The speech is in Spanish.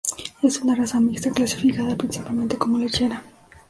Es una raza mixta clasificada principalmente como lechera.